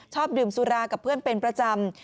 ชอบดื่มสุรากับเพื่อนเป็นประจำ